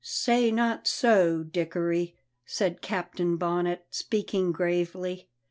"Say not so, Dickory," said Captain Bonnet, speaking gravely.